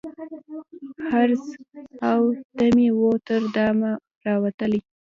حرص او تمي وو تر دامه راوستلی